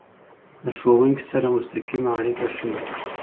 د ښوونکي سره مستقیمه اړیکه ښه وي.